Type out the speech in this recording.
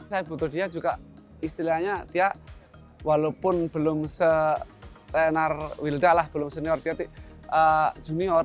saya butuh dia juga istilahnya dia walaupun belum setenar wilda lah belum senior dia junior